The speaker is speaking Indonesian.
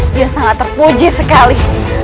dia sangat terpuji sekali